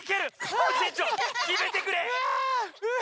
コージえんちょうきめてくれ。